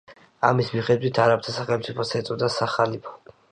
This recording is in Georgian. ამის მიხედვით არაბთა სახელმწიფოს ეწოდა სახალიფო.